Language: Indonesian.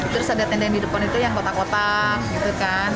terus ada tenda yang di depan itu yang kotak kotak gitu kan